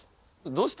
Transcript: どうした？